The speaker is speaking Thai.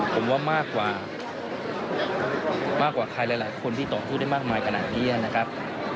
ผมว่ามากกว่ามากกว่าใครหลายคนที่ต่อสู้ได้มากมายขนาดนี้นะครับ